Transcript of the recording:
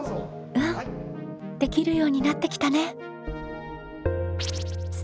うんできるようになってきたね。